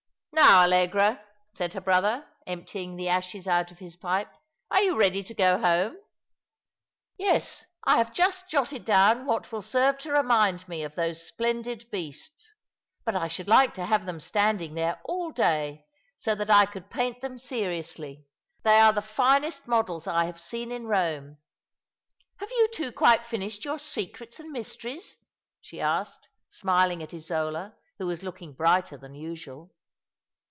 " Now, Allegra," said her brother, emptying the ashes out of his pipe, " are you ready to go home ?"" Yes, I have just jotted down what will serve to remind me of those splendid beasts ; but I should like to have them Btanding there all day, so that I could paint them seriously. 28o All along the River, They are the finest models I have seen in Eome. Have you two quite finished your secrets and mysteries?" she asked, smiling at Isola, who was looking brighter than usual.